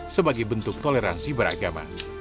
sebagai bentuk toleransi beragama